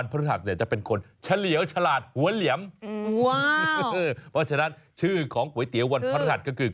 เพราะฉะนั้นชื่อของก๋วยเตี๋ยววันพระธรรมก็คือ